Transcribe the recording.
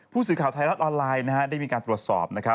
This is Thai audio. ผู้สื่อข่าวไทยรัฐออนไลน์ได้มีการตรวจสอบ